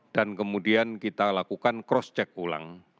dan kemudian kita lakukan cross check ulang